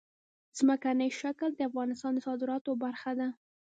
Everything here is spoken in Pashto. ځمکنی شکل د افغانستان د صادراتو برخه ده.